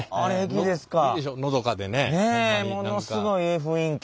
ものすごいええ雰囲気。